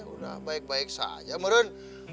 udah baik baik saja meran